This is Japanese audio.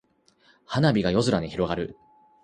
花火が夜空に広がる。